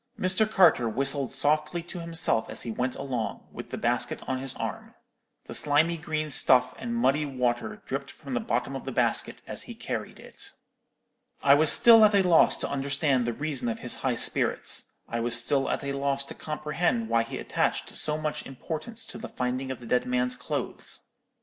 Mr. Carter whistled softly to himself as he went along, with the basket on his arm. The slimy green stuff and muddy water dripped from the bottom of the basket as he carried it. "I was still at a loss to understand the reason of his high spirits; I was still at a loss to comprehend why he attached so much importance to the finding of the dead man's clothes.